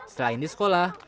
selain di sekolah